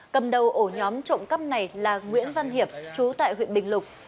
cầm đầu ổ nhóm trộm cắp này là nguyễn văn hiệp chú tại huyện bình lục